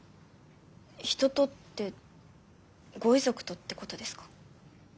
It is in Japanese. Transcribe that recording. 人とってご遺族とってことですか？